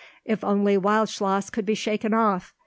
If only Wildschloss could be shaken off!